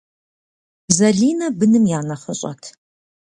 Залинэ быным я нэхъыщӏэт.